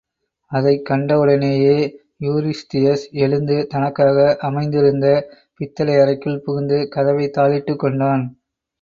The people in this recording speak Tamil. அதைக் கண்டவுடனேயே யூரிஸ்தியஸ் எழுந்து தனக்காக அமைத்திருந்த பித்தளை அறைக்குள் புகுந்து, கதவைத் தாழிட்டுக் கொண்டான்.